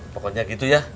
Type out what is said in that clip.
pokoknya gitu ya